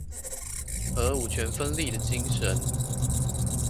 和五權分立的精神